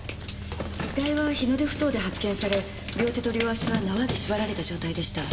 遺体は日の出埠頭で発見され両手と両足は縄で縛られた状態でした。